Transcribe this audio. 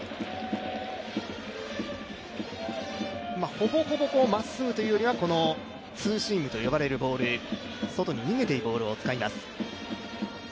ほぼほぼまっすぐというよりはツーシームと呼ばれるボール外に逃げていくボールを使います。